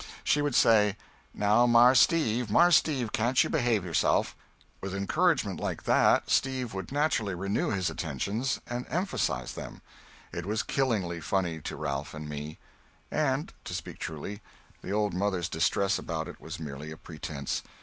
She would say, "Now, Marse Steve, Marse Steve, can't you behave yourself?" With encouragement like that, Steve would naturally renew his attentions and emphasize them. It was killingly funny to Ralph and me. And, to speak truly, the old mother's distress about it was merely a pretence.